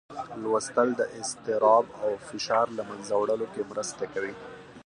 لوستل د اضطراب او فشار له منځه وړلو کې مرسته کوي.